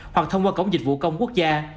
hoặc thông qua cổng dịch vụ công quốc gia